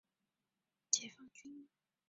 中国人民解放军上将。